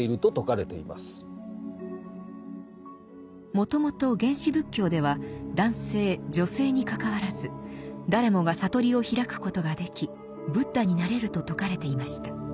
もともと原始仏教では男性女性にかかわらず誰もが覚りを開くことができ仏陀になれると説かれていました。